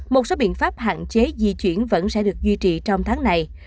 một số biện pháp hạn chế di chuyển vẫn sẽ được duy trì trong tháng này